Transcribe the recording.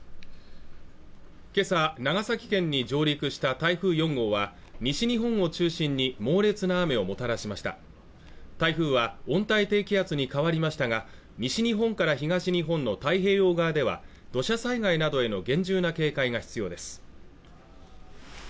今朝長崎県に上陸した台風４号は西日本を中心に猛烈な雨をもたらしました台風は温帯低気圧に変わりましたが西日本から東日本の太平洋側では土砂災害などへの厳重な警戒が必要です